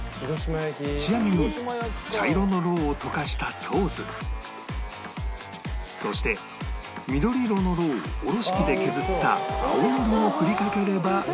仕上げに茶色のロウを溶かしたソースそして緑色のロウをおろし器で削った青のりを振りかければ